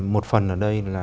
một phần ở đây là